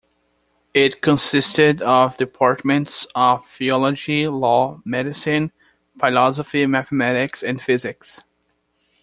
It consisted of departments of Theology, Law, Medicine, Philosophy, Mathematics and Physics.